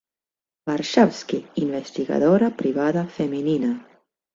Warshawski, investigadora privada femenina.